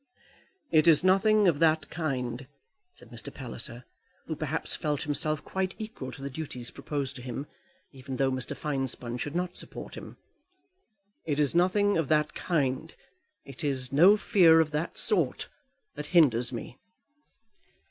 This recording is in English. "It is nothing of that kind," said Mr. Palliser, who perhaps felt himself quite equal to the duties proposed to him, even though Mr. Finespun should not support him. "It is nothing of that kind; it is no fear of that sort that hinders me."